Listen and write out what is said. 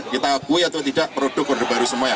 kita lakuin atau tidak produk order baru semua ya